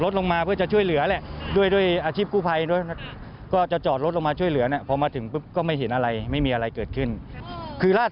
สวัสดีครับ